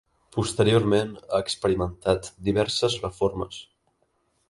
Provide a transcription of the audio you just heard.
Posteriorment ha experimentat diverses reformes.